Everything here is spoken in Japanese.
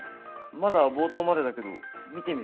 まだ冒頭までだけど見てみる？